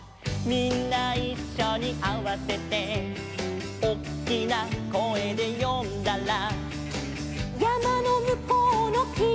「みんないっしょにあわせて」「おっきな声で呼んだら」